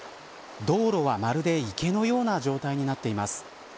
道路はまるで池のような状態になっています。